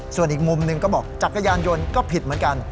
ส่วนอีกมุมหนึ่งก็บอกจักรยานยนต์ก็ผิดเหมือนกัน